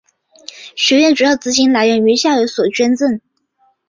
学院的主要资金来自于校友所捐赠。